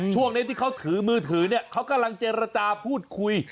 ช่วงนี้ที่เขาถือมือถือเนี่ยเขากำลังเจรจาพูดคุย